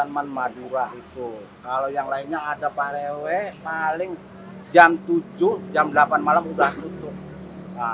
kalau yang lainnya ada parewe paling jam tujuh jam delapan malam sudah tutup